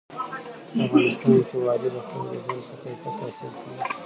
په افغانستان کې وادي د خلکو د ژوند په کیفیت تاثیر کوي.